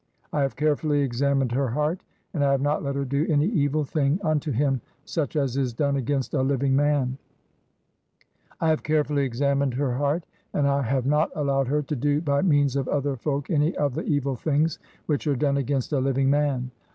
I have carefully examin ed her heart, and I have not let her do any evil "thing unto him such as is done against a living "man. I have carefully examined her heart, and I have THE BOOK OF THE DEAD OF NESI KHONSU. CLXXXIX "not allowed her to do by means of other folk any "of the evil things which are done against a living "man."